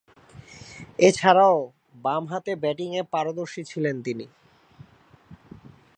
এছাড়াও, বামহাতে ব্যাটিংয়ে পারদর্শী ছিলেন তিনি।